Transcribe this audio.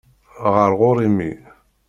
Ɣer ɣur-i mmi.